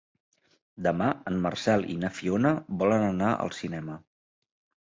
Demà en Marcel i na Fiona volen anar al cinema.